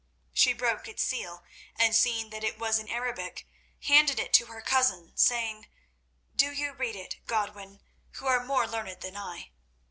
She broke its seal, and, seeing that it was in Arabic, handed it to her cousin, saying: "Do you read it, Godwin, who are more learned than I."